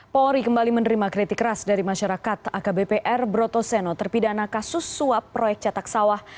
polri kembali menerima kritik keras dari masyarakat akbpr broto seno terpidana kasus suap proyek cetak sawah